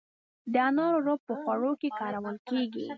د انارو رب په خوړو کې کارول کیږي.